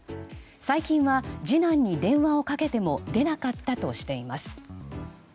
最近は次男に電話をかけても出なかったとしています。